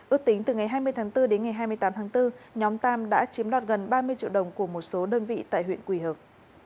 ước tính từ ngày hai mươi tháng bốn đến ngày hai mươi tám tháng bốn nhóm tam đã chiếm đoạt gần ba mươi triệu đồng của một số đơn vị tại huyện quỳ hợp